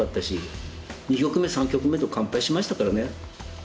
２局目３局目と完敗しましたからね。